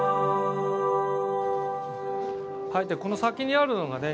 じゃあこの先にあるのがね